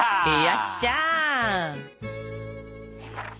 よっしゃ！